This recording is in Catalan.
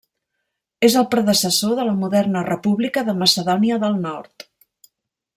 És el predecessor de la moderna República de Macedònia del Nord.